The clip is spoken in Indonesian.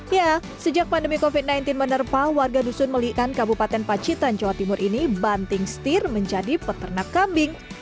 ya sejak pandemi covid sembilan belas menerpa warga dusun melikan kabupaten pacitan jawa timur ini banting setir menjadi peternak kambing